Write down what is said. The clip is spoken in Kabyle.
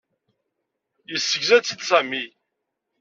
Yessegza-tt-id Sami.